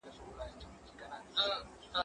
زه اوږده وخت شګه پاکوم